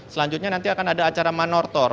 selanjutnya nanti akan ada acara manortor